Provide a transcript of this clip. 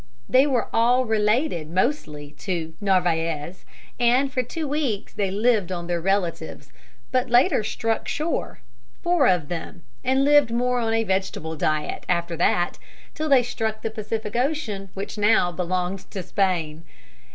They were all related mostly to Narvaez, and for two weeks they lived on their relatives, but later struck shore four of them and lived more on a vegetable diet after that till they struck the Pacific Ocean, which now belonged to Spain.